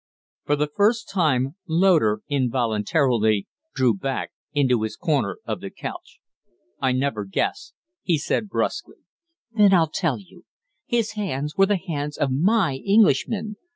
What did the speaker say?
For the first time Loder involuntarily drew back into his corner of the couch. "I never guess," he said, brusquely. "Then I'll tell you. His hands were the hands of my Englishman!